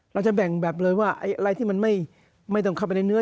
เราจะแบ่งแบบเลยว่าอะไรที่มันไม่ต้องเข้าไปในเนื้อ